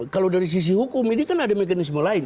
kalau dari sisi hukum ini kan ada mekanisme lain